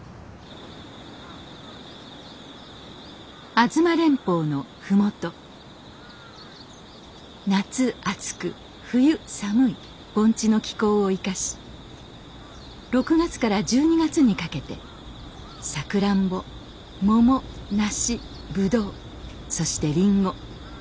吾妻連峰の麓夏暑く冬寒い盆地の気候を生かし６月から１２月にかけてサクランボモモナシブドウそしてリンゴ。